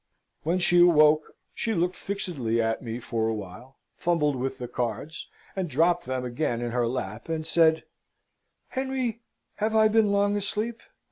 When she awoke, she looked fixedly at me for a while, fumbled with the cards, and dropt them again in her lap, and said, "Henry, have I been long asleep?"